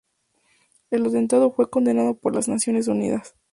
El atentado fue condenado por las Naciones Unidas.